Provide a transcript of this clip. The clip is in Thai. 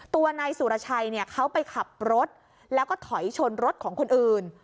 ตัวนายสุรชัยเขาไปขับรถแล้วก็ถอยชนรถของคนอื่น